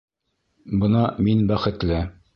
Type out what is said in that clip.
Бына мин бәхетле!